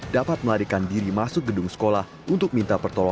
dapat melarikan diri masuk gedung sekolah untuk mencari penculikan